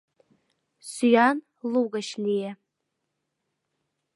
Сӱан лугыч лие.